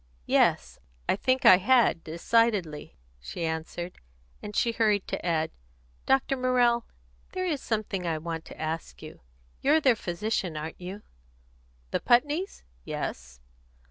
"Yes, I think I had, decidedly," she answered; and she hurried to add: "Dr. Morrell, there is something I want to ask you. You're their physician, aren't you?" "The Putneys? Yes."